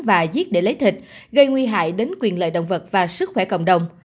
và giết để lấy thịt gây nguy hại đến quyền lợi động vật và sức khỏe cộng đồng